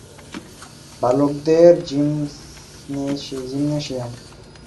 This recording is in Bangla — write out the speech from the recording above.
তিনি ওয়ার্সর দুইটি বালকদের জিমনেশিয়ামের